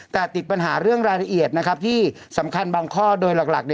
แต่ติดปัญหาเรื่องรายละเอียดที่สำคัญบางข้อโดยหลัก